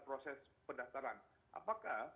proses pendaftaran apakah